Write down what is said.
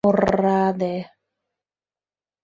Ор-раде!